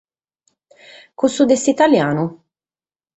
Cussu de s’italianu?